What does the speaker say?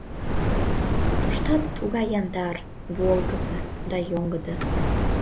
Туштат тугай яндар, волгыдо да йоҥгыдо.